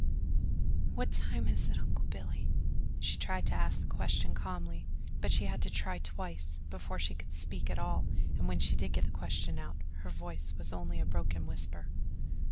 "What time is it, Uncle Billy?" She tried to ask the question calmly, but she had to try twice before she could speak at all and when she did get the question out, her voice was only a broken whisper.